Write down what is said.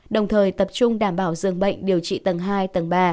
đồng thời tập trung đảm bảo dường bệnh điều trị tầng hai tầng ba